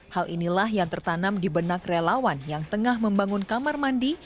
hal inilah yang tertanam di benak relawan yang tengah membangun kamar mandi